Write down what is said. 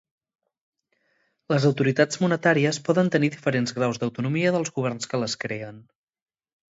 Les autoritats monetàries poden tenir diferents graus d'autonomia dels governs que les creen.